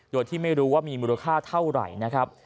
โดยที่ไม่รู้ว่ามีมูลค่าเท่าไหร่นะครับ